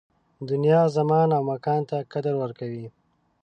دنیا زمان او مکان ته قدر ورکوي